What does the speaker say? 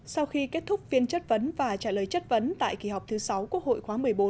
sau khi kết thúc phiên chất vấn và trả lời chất vấn tại kỳ họp thứ sáu quốc hội khóa một mươi bốn